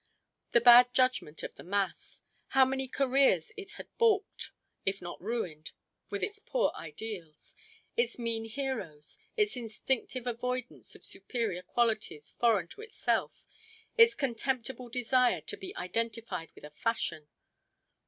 The bad judgment of the mass! How many careers it had balked, if not ruined, with its poor ideals, its mean heroes, its instinctive avoidance of superior qualities foreign to itself, its contemptible desire to be identified with a fashion.